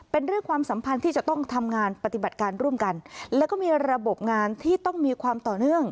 เป็นเรื่องความสัมพันธ์ที่จะต้องทำงานปฏิบัติการร่วมกันแล้วก็มีระบบงานที่ต้องมีความต่อเนื่อง